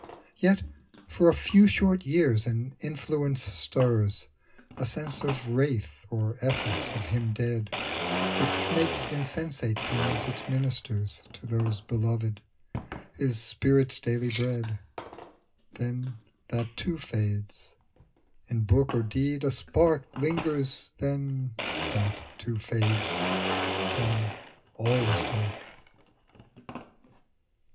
Yet for a few short years an influence stirs, A sense or wraith or essence of him dead, Which makes insensate things its ministers To those beloved, his spirit's daily bread; Then that, too, fades; in book or deed a spark Lingers, then that, too, fa^des ; then all is dark.